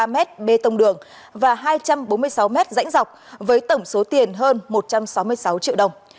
một trăm hai mươi ba m bê tông đường và hai trăm bốn mươi sáu m dãnh dọc với tổng số tiền hơn một trăm sáu mươi sáu triệu đồng